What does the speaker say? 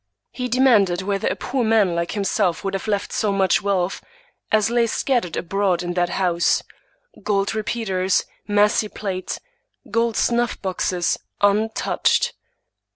He demanded whether a poor man like himself would have left so much wealth as lay scattered abroad in that house — gold repeaters, massy plate, gold snuff boxes — untouched?